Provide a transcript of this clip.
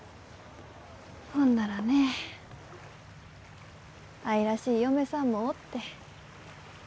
ほんならね愛らしい嫁さんもおって。